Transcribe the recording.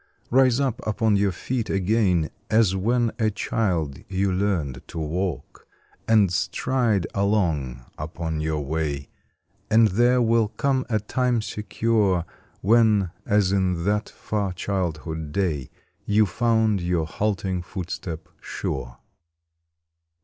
Rise up upon your feet again As when, a child, you learned to walk, And stride along upon your way, And there will come a time secure When, as in that far childhood day, You found your halting footstep sure.